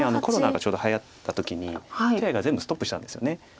コロナがちょうどはやった時に手合が全部ストップしたんですよね。